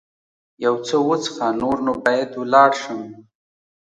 یو څه وڅښه، نور نو باید ولاړ شم.